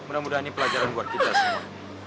mudah mudahan ini pelajaran buat kita semua